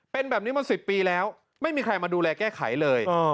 เป็นแบบนี้มา๑๐ปีแล้วไม่มีใครมาดูแลแก้ไขเลย